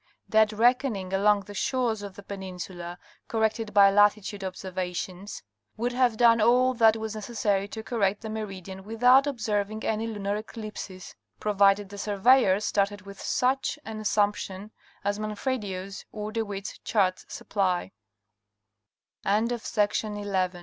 Dead reckoning along the shores of the peninsula, corrected by latitude observations, would have done all that was necessary to correct the meridian without observing any lunar eclipse, provided the surveyor started with such an assumption as Manfredio's o